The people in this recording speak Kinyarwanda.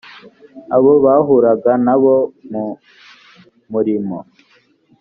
abo bahuraga na bo mu murimo